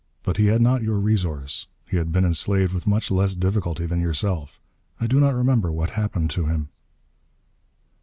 But he had not your resource. He had been enslaved with much less difficulty than yourself. I do not remember what happened to him...."